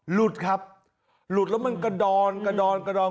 หลุดครับหลุดแล้วมันกระดอนกระดอนกระดอน